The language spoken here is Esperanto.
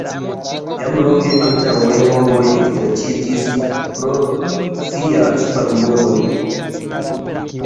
Jam longe antaŭe homoj ekstreĉiĝis pro sia ŝparmono.